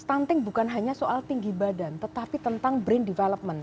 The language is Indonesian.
stunting bukan hanya soal tinggi badan tetapi tentang brain development